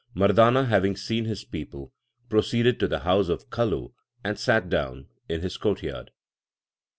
Mardana, having seen his people, proceeded to the house of Kalu, and sat down in his courtyard.